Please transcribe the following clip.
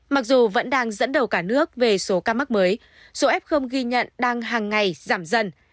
mặc dù vẫn đang dẫn đầu cả nước về số ca mắc mới số f ghi nhận đang hàng ngày giảm dần